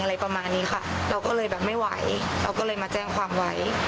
อะไรประมาณนี้ค่ะเราก็เลยแบบไม่ไหวเราก็เลยมาแจ้งความไว้